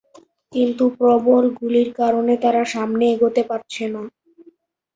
কিন্তু প্রবল গুলির কারণে তাঁরা সামনে এগোতে পারছেন না।